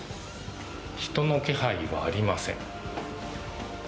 人の気配はありません。